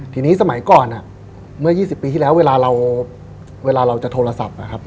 ทีนี้สมัยก่อนเมื่อ๒๐ปีที่แล้วเวลาเราจะโทรศัพท์